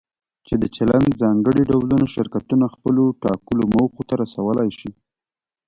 چې د چلند ځانګړي ډولونه شرکتونه خپلو ټاکلو موخو ته رسولی شي.